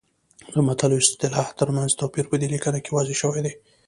د متل او اصطلاح ترمنځ توپیر په دې لیکنه کې واضح شوی دی